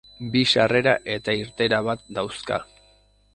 Bi sarrera eta irteera bat dauzka.